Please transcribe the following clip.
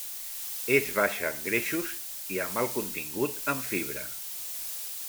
És baixa en greixos i amb alt contingut en fibra.